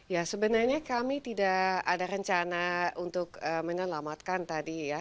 ya sebenarnya kami tidak ada rencana untuk menyelamatkan tadi ya